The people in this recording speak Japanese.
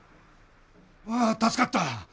ああ助かった。